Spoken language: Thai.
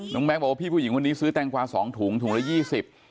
แก๊งบอกว่าพี่ผู้หญิงคนนี้ซื้อแตงกวาสองถุงถุงละยี่สิบ